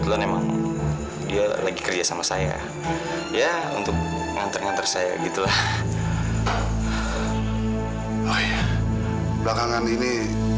dan aku udah berusaha untuk gak menyukai rizky lagi